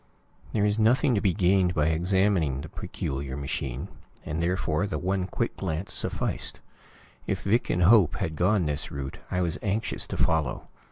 There was nothing to be gained by examining the peculiar machine, and therefore the one quick glance sufficed. If Vic and Hope had gone this route, I was anxious to follow.